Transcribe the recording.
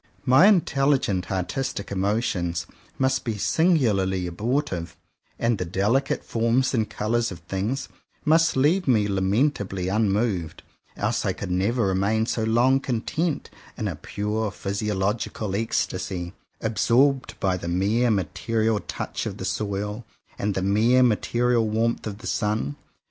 My intelligent artistic emotions must be singularly abortive; and the delicate forms and colours of things must leave me lament ably unmoved; else I could never remain so long content, in a pure physiological ecstasy, absorbed by the mere material touch of the soil, and the mere material warmth of the sun.